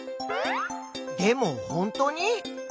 でもほんとに？